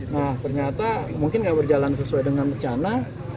nah ternyata mungkin nggak berjalan sesuai dengan rencana